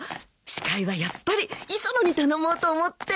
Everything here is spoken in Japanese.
司会はやっぱり磯野に頼もうと思って。